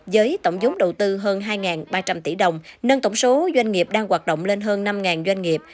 với tổng giống đầu tư hơn hai ba trăm linh tỷ đồng nâng tổng số doanh nghiệp đang hoạt động lên hơn năm doanh nghiệp